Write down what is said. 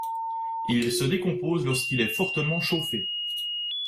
Il se décompose lorsqu'il est fortement chauffé.